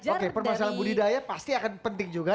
oke permasalahan budidaya pasti akan penting juga